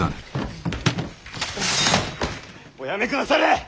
おやめくだされ！